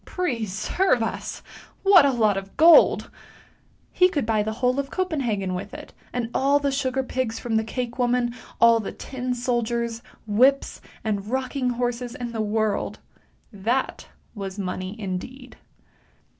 Preserve us! What a lot of gold! He could buy the whole of Copenhagen with it, and all the sugar pigs from the cake woman, all the tin soldiers, whips, and rock ing horses in the world! That was money indeed!